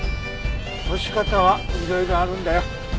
干し方はいろいろあるんだよ。